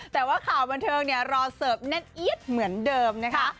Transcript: แต่ว่าข่าวบันเทิงเนี่ยรอเสิร์ฟแน่นเอี๊ยดเหมือนเดิมนะคะ